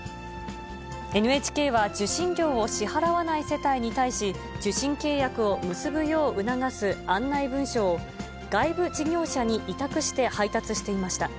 ＮＨＫは、受信料を支払わない世帯に対し、受信契約を結ぶよう促す案内文書を、外部事業者に委託して配達していました。